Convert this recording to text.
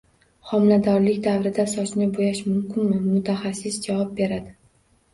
Homiladorlik davrida sochni bo‘yash mumkinmi? Mutaxassis javob beradi